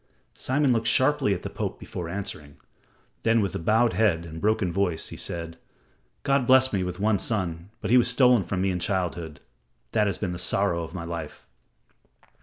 Simon looked sharply at the Pope before answering. Then, with bowed head and broken voice, he said: "God blessed me with one son, but he was stolen from me in childhood. That has been the sorrow of my life."